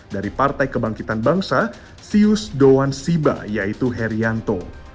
dari partai kebangkitan bangsa sius doan siba yaitu herianto